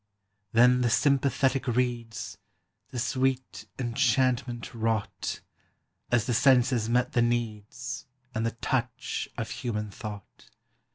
IMMORTALITY. 12" Then the sympathetic reeds The sweet enchantment wrought, As the senses met the needs And the touch of human thought.